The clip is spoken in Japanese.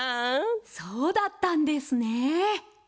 そうだったんですね！